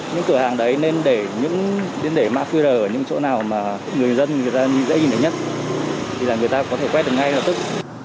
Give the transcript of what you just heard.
những cửa hàng đấy nên để mã qr ở những chỗ nào mà người dân người ta dễ nhìn thấy nhất thì là người ta có thể quét được ngay lập tức